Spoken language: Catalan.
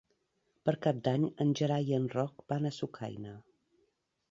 Per Cap d'Any en Gerai i en Roc van a Sucaina.